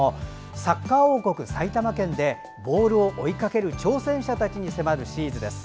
サッカー王国・埼玉県でボールを追いかける挑戦者たちに迫るシリーズです。